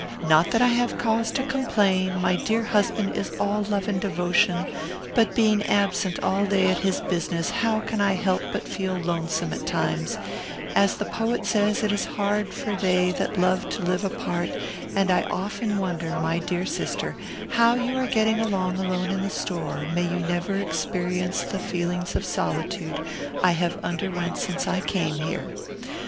Not that I have cause to complain, my dear Husband is all love and devotion, but being absent all day at his business how can I help but feel lonesome at times, as the poet says it is hard for they that love to live apart, and I often wonder, my dear Sister, how you are getting along alone in the store, may you never experience the feelings of solitude I have underwent since I came here.